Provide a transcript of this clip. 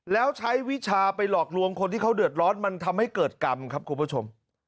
แล้วใช้วิชาไปหลอกลวงคนที่เขาเดือดร้อนมันทำให้เกิดกรรมครับคุณผู้ชม